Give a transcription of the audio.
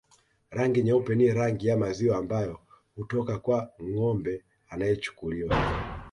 Rangi nyeupe ni rangi ya maziwa ambayo hutoka kwa ngombe anayechukuliwa